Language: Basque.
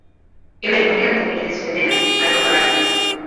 Euren onerako egiten zuten dena, alproja galantak.